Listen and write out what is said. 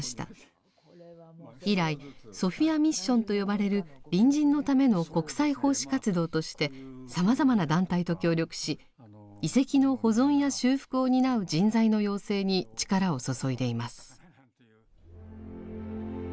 以来「ソフィア・ミッション」と呼ばれる隣人のための国際奉仕活動としてさまざまな団体と協力し遺跡の保存や修復を担う人材の養成に力を注いでいます。